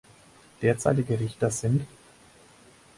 Derzeitige Richter sind